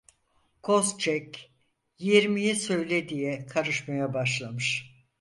Koz çek, yirmiyi söylediye karışmaya başlamış.